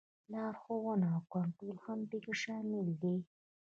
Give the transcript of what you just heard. لارښوونه او کنټرول هم پکې شامل دي.